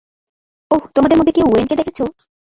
ওহ, তোমাদের মধ্যে কেউ ওয়েনকে দেখেছো?